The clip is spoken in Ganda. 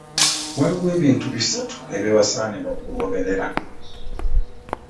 Waliwo ebintu bisatu ebibasaanira okugoberera.